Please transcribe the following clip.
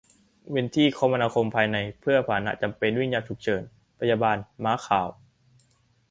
เว้นที่คมนาคมภายใน เพื่อพาหนะจำเป็นวิ่งยามฉุกเฉิน พยาบาล ม้าข่าว